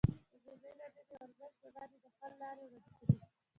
ازادي راډیو د ورزش پر وړاندې د حل لارې وړاندې کړي.